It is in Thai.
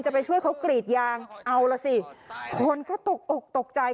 ไปช่วยเขากรีดยางเอาล่ะสิคนก็ตกอกตกใจ